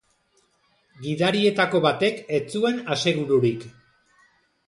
Gidarietako batek ez zuen asegururik.